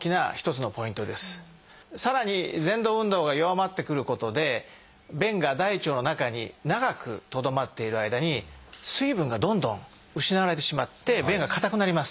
さらにぜん動運動が弱まってくることで便が大腸の中に長くとどまっている間に水分がどんどん失われてしまって便が硬くなります。